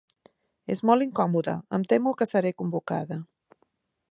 És molt incòmode, em temo que seré convocada.